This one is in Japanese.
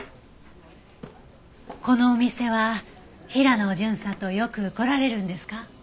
このお店は平野巡査とよく来られるんですか？